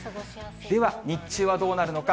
では、日中はどうなるのか。